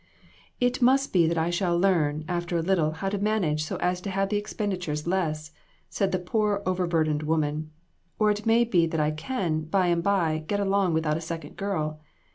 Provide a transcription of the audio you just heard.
"It must be that I shall learn, after a little, how to manage so as to have the expenditures less," said this poor over burdened woman; "or it may be that I can, by and by, get along without a second girl.